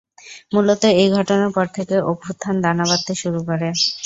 মূলত এই ঘটনার পর থেকে অভ্যুত্থান দানা বাঁধতে শুরু করে।